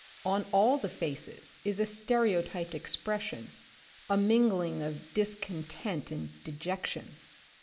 On all the faces is a ste reotyped expression, a mingling of discontent and dejection.